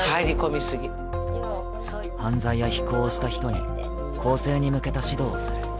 犯罪や非行をした人に更生に向けた指導をする。